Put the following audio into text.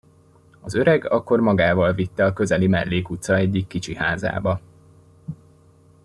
Az öreg akkor magával vitte a közeli mellékutca egyik kicsi házába.